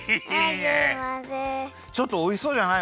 ちょっとおいしそうじゃない？